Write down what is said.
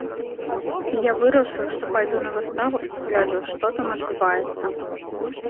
І я вырашыў, што пайду на выставу і пагляджу, што там адбываецца.